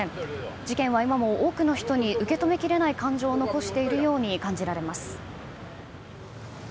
事件は今も多くの人に受け止めきれない感情を残しているように感じられます。